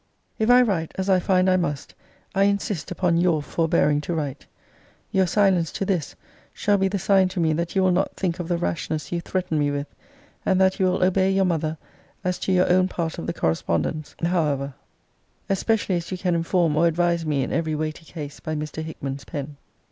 If I write, as I find I must, I insist upon your forbearing to write. Your silence to this shall be the sign to me that you will not think of the rashness you threaten me with: and that you will obey your mother as to your own part of the correspondence, however; especially as you can inform or advise me in every weighty case by Mr. Hickman's pen.